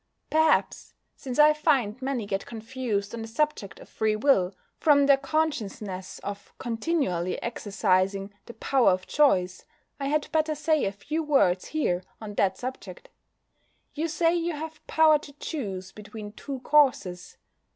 Perhaps, since I find many get confused on the subject of Free Will from their consciousness of continually exercising the "power of choice," I had better say a few words here on that subject. You say you have power to choose between two courses.